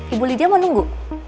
ibu lydia mau nunggu